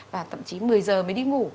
và tậm chí một mươi h mới đi ngủ